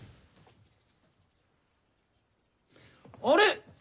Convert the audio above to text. あれ？